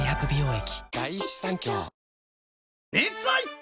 液